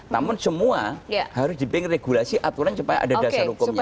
namun semua harus diberi regulasi aturan supaya ada dasar hukumnya